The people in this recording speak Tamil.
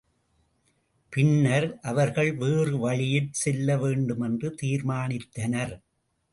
பின்னர் அவர்கள் வேறு வழியில் செல்லவேண்டுமென்று தீர்மானித்தனர்.